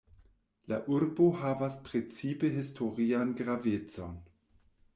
La urbo havas precipe historian gravecon.